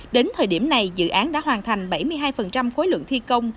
đến thời điểm này dự án đã hoàn thành bảy mươi hai khối lượng thi công